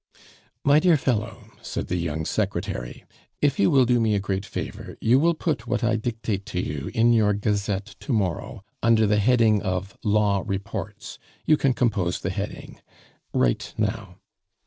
"My dear fellow," said the young secretary, "if you will do me a great favor, you will put what I dictate to you in your Gazette to morrow under the heading of Law Reports; you can compose the heading. Write now."